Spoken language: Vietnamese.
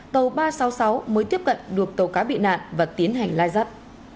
tàu ba trăm sáu mươi sáu mới tiếp cận đuộc tàu cá bị nạn và tiến hành lai rắt